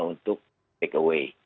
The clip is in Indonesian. untuk take away